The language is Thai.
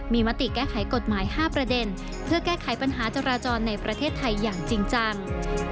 มีมติแก้ไขกฎหมาย๕ประเด็นเพื่อแก้ไขปัญหาจราจรในประเทศไทยอย่างจริงจัง